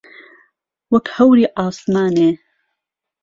وهکو ههوری عاسمانێ